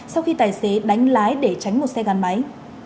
sau khi tài xế đánh lái để tránh một xe gắn máy